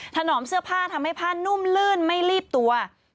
ถนอมเสื้อผ้าทำให้ผ้านุ่มลื่นไม่รีบตัว